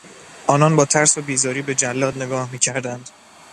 آنان با ترس و بیزاری به جلاد نگاه میکردند.